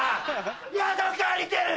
宿借りてる！